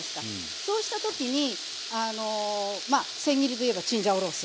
そうした時にまあせん切りといえばチンジャオロースー。